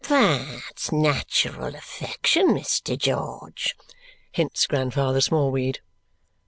"But natural affection, Mr. George," hints Grandfather Smallweed.